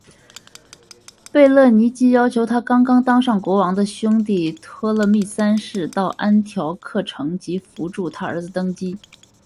贝勒尼基要求她刚刚当上国王的兄弟托勒密三世到安条克城及扶助她儿子登基。